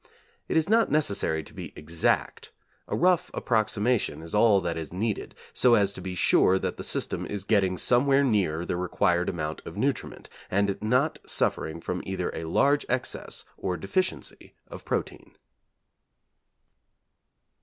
It is not necessary to be exact; a rough approximation is all that is needed, so as to be sure that the system is getting somewhere near the required amount of nutriment, and not suffering from either a large excess or deficiency of protein.